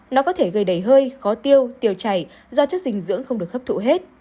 nó có thể gây đầy hơi khó tiêu tiêu chảy do chất dinh dưỡng không được khắp thụ hết